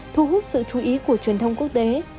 thu hút sự chú ý của truyền thông quốc tế